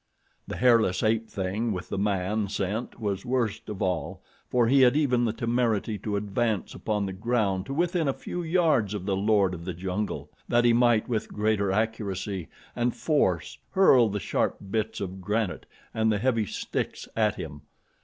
The hairless ape thing with the man scent was worst of all, for he had even the temerity to advance upon the ground to within a few yards of the Lord of the Jungle, that he might with greater accuracy and force hurl the sharp bits of granite and the heavy sticks at him.